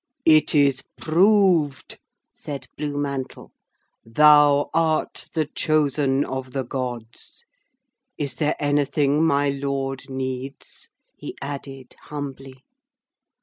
'It is proved,' said Blue Mantle. 'Thou art the Chosen of the Gods. Is there anything my Lord needs?' he added humbly.